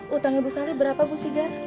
hutang ibu saleh berapa bu siga